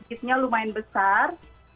masjidnya lumayan besar